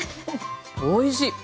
おいしい！